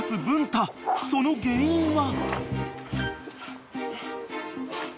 ［その原因は］